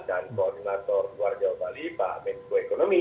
dan koordinator luar jawa bali pak menko ekonomi